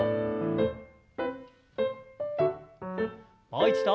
もう一度。